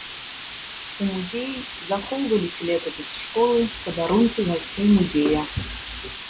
У музеі захоўваліся летапіс школы, падарункі гасцей музея.